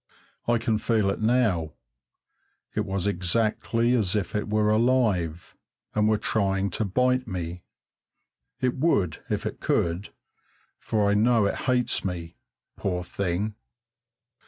I can feel it now. It was exactly as if it were alive and were trying to bite me. It would if it could, for I know it hates me, poor thing!